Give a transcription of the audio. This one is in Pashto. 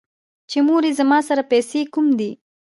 چې مورې زما سره پېسې کوم دي ـ